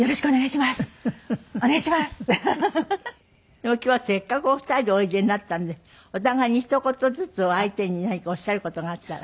でも今日はせっかくお二人でおいでになったんでお互いにひと言ずつお相手に何かおっしゃる事があったら。